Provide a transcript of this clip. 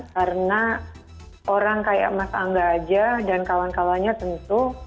karena orang kayak mas angga aja dan kawan kawannya tentu